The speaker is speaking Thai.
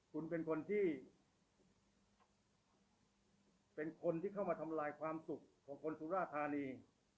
คุณเป็นคนที่เป็นคนที่เข้ามาทำลายความสุขของคนสุราธานี